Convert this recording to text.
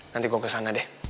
nanti gue kesana deh